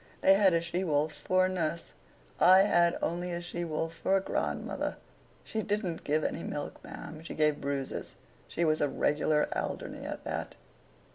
They had a she wolf for a nurse; I had only a she wolf for a grandmother. She didn't give any milk, ma'am; she gave bruises. She was a regular Alderney at that.